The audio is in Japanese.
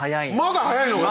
まだ早いのか！